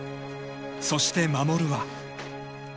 ［そして衛は］